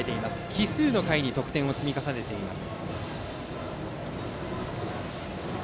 奇数の回に得点を積み重ねています。